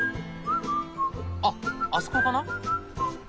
あっあそこかな？